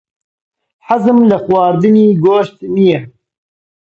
حەزم لە خواردنی گۆشت نییە.